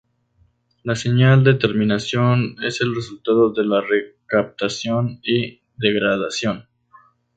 La señal de terminación es el resultado de la recaptación y degradación.